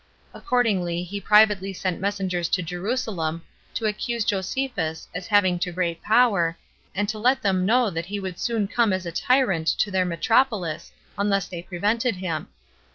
Accordingly, he privately sent messengers to Jerusalem, to accuse Josephus, as having to great power, and to let them know that he would soon come as a tyrant to their metropolis, unless they prevented him.